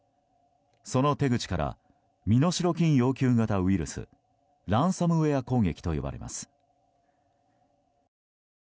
その手口から身代金要求型ウイルスランサムウェア攻撃と呼ばれます。